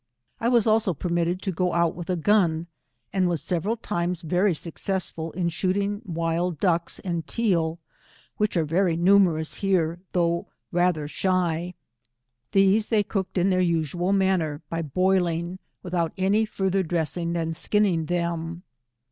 I was also permitted to go out with a gun, and was several times very suc cessful in shooting wild ducks and teal, which are very numerous here, though rather shy. These they cooked in their usual manner, by boiling, without any farther dressing than skinning them.